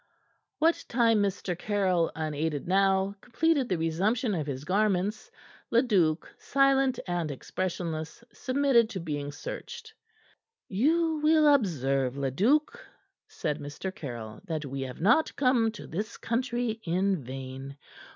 What time Mr. Caryll, unaided now, completed the resumption of his garments, Leduc, silent and expressionless, submitted to being searched. "You will observe, Leduc," said Mr. Caryll, "that we have not come to this country in vain.